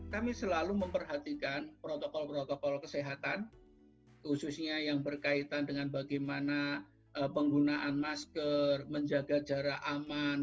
kami selalu memperhatikan protokol protokol kesehatan khususnya yang berkaitan dengan bagaimana penggunaan masker menjaga jarak aman